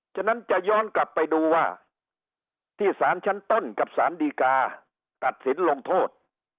ฉะนั้นจะย้อนกลับไปดูว่าที่สารชั้นต้นกับสารดีกาตัดสินลงโทษ